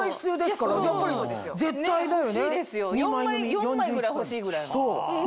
４枚ぐらい欲しいぐらい。